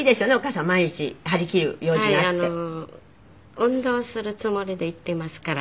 運動するつもりで行っていますから。